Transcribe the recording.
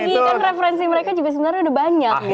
karena itu lagi kan referensi mereka juga sebenarnya udah banyak